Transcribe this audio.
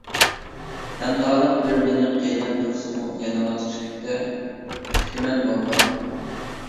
تەنھالىق بىر مېنى قىيناپ تۇرسىمۇ، يەنىلا سۈكۈتتە كۈتىمەن ۋاپا.